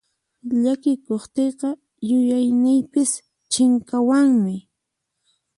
Llakikuqtiyqa yuyayniypis chinkawanmi.